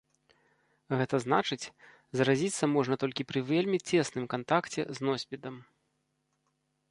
Гэта значыць, заразіцца можна толькі пры вельмі цесным кантакце з носьбітам.